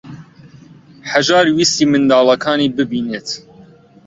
هەژار ویستی منداڵەکانی ببینێت.